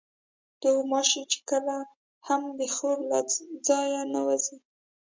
غوماشې کله هم د خوب له ځایه نه وځي.